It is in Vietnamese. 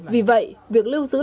vì vậy việc lưu giữ lại lịch sử